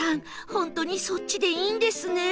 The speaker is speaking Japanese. ホントにそっちでいいんですね？